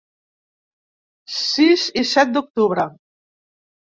Sis i set d’octubre.